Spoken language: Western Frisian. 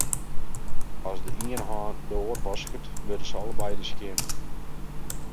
As de iene hân de oar wasket, wurde se allebeide skjin.